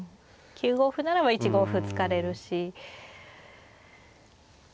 ９五歩ならば１五歩突かれるし。